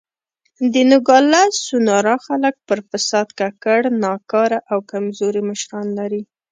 د نوګالس سونورا خلک پر فساد ککړ، ناکاره او کمزوري مشران لري.